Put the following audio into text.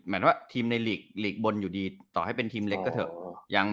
ว่าทีมในหลีกบนอยู่ดีต่อให้เป็นทีมเล็กก็เถอะ